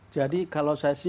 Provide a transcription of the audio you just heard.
jadi kalau saya sih